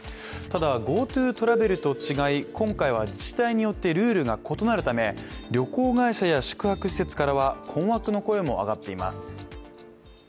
ただＧｏＴｏトラベルと違い今回は自治体によってルールが異なるため旅行会社や宿泊施設からは困惑の声も上がっています。